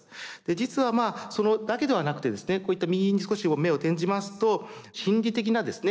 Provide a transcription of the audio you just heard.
実はそのだけではなくてですねこういった右に少し目を転じますと心理的なですね